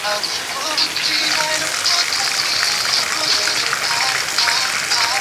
新建的巴姆郡将执行更严格的抗震规定。